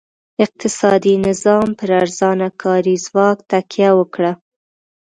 اقتصادي نظام پر ارزانه کاري ځواک تکیه وکړه.